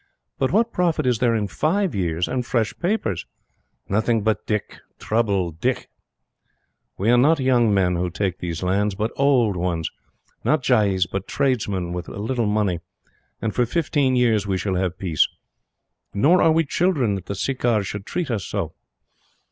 But what profit is there in five years and fresh papers? Nothing but dikh, trouble, dikh. We are not young men who take these lands, but old ones not jais, but tradesmen with a little money and for fifteen years we shall have peace. Nor are we children that the Sirkar should treat us so."